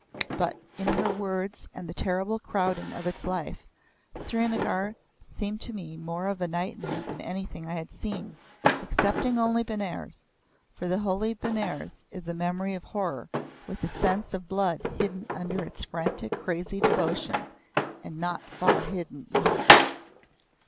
But in her words and the terrible crowding of its life, Srinagar seemed to me more of a nightmare than anything I had seen, excepting only Benares; for the holy Benares is a memory of horror, with a sense of blood hidden under its frantic crazy devotion, and not far hidden either.